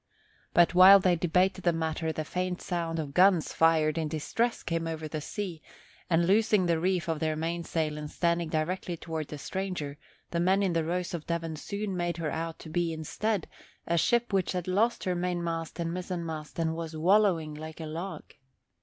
But while they debated the matter the faint sound of guns fired in distress came over the sea; and loosing the reef of their mainsail and standing directly toward the stranger, the men in the Rose of Devon soon made her out to be, instead, a ship which had lost her mainmast and mizzenmast and was wallowing like a log.